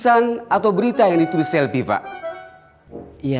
saya atasan selfie pak jadi begini pak rijal